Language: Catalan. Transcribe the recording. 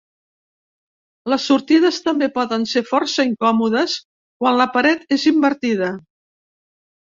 Les sortides també poden ser força incòmodes quan la paret és invertida.